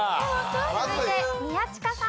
続いて宮近さん。